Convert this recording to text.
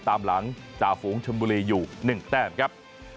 ตามหลังจ่าฝูงชนบุรีอยู่๑แต้มครับ